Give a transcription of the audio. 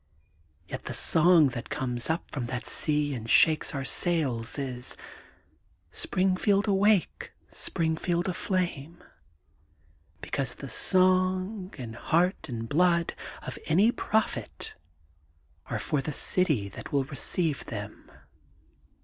^*Yet the song that somes up from that sea and shakes our sails is :^ Springfield Awake, Springfield Aflame,' because the song and heart and blood of any prophet are for the city that will receive them.